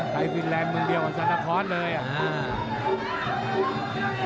ไทล์ฟิลแรมเมืองเดียวกว่าซัลตาคอร์สเลยอ่ะ